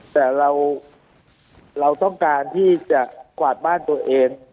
แต่เราต้องการที่จะกวาดบ้านตัวเอง